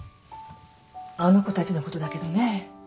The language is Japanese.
あの子たちのことだけどね。